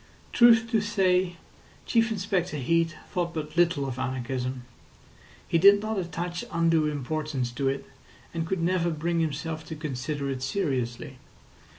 Truth to say, Chief Inspector Heat thought but little of anarchism. He did not attach undue importance to it, and could never bring himself to consider it seriously.